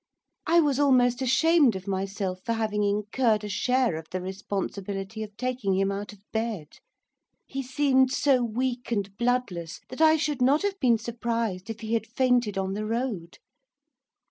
I was almost ashamed of myself for having incurred a share of the responsibility of taking him out of bed. He seemed so weak and bloodless that I should not have been surprised if he had fainted on the road.